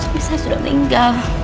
suami saya sudah meninggal